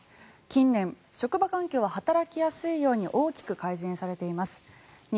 近年、職場環境は働きやすいように大きく改善されています。